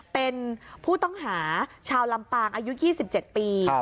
เป็นผู้ต้องหาชาวลำปางอายุยี่สิบเจ็ดปี